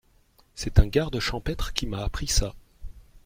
C’est un garde champêtre qui m’a appris ça.